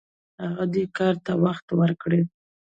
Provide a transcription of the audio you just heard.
هغه دې کار ته وخت ورکړ.